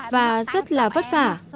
và rất là vất vả